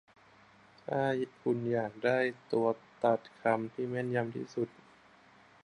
ถ้าคุณอยากได้ตัวตัดคำที่แม่นยำที่สุด